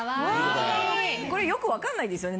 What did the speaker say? ・かわいい・これよく分かんないですよね。